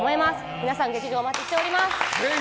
皆さん劇場でお待ちしております。